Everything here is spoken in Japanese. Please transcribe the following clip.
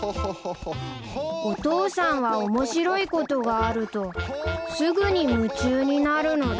お父さんは面白いことがあるとすぐに夢中になるのだ